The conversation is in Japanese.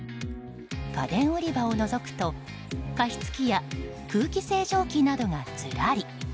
家電売り場をのぞくと加湿器や空気清浄機などがずらり。